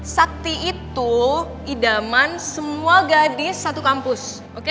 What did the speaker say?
sakti itu idaman semua gadis satu kampus